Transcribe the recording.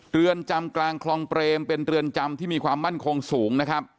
เรือนจำกลางคลองเปรมเป็นเรือนจำที่มีความมั่นคงสูงนะครับ